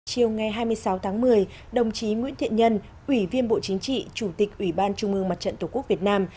chiều ngày hai mươi sáu tháng một mươi đồng chí nguyễn thiện nhân ủy viên bộ chính trị chủ tịch ủy ban trung ương mặt trận tổ quốc việt nam